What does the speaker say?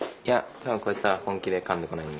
多分こいつは本気でかんでこないんで。